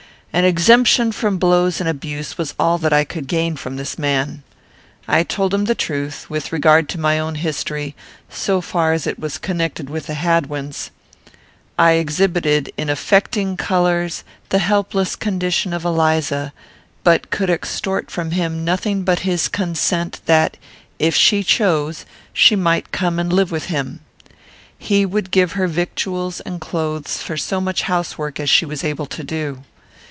An exemption from blows and abuse was all that I could gain from this man. I told him the truth, with regard to my own history, so far as it was connected with the Hadwins. I exhibited, in affecting colours, the helpless condition of Eliza; but could extort from him nothing but his consent that, if she chose, she might come and live with him. He would give her victuals and clothes for so much house work as she was able to do.